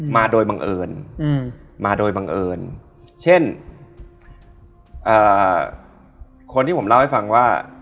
มาโดยบังเอิญมาโดยบังเอิญเช่นคนที่ผมเล่าให้ฟังว่า